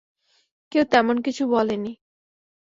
কেউ তেমন কিছু বলে নি।